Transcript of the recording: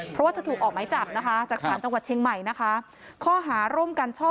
เพราะถูกออกไม้จับจากสหรรย์จังหวัดเชียงใหม่นะคะ